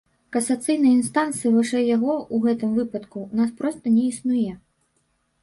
Касацыйнай інстанцыі вышэй яго ў гэтым выпадку ў нас проста не існуе!